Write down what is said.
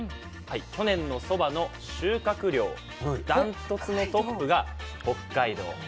去年のそばの収穫量断トツのトップが北海道なんですね。